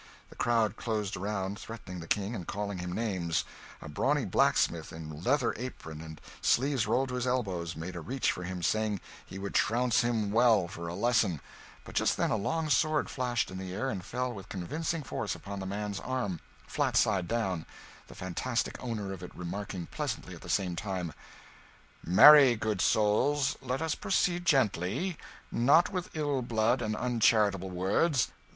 The crowd closed around, threatening the King and calling him names; a brawny blacksmith in leather apron, and sleeves rolled to his elbows, made a reach for him, saying he would trounce him well, for a lesson; but just then a long sword flashed in the air and fell with convincing force upon the man's arm, flat side down, the fantastic owner of it remarking pleasantly, at the same time "Marry, good souls, let us proceed gently, not with ill blood and uncharitable words.